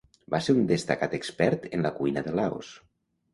Va ser un destacat expert en la cuina de Laos.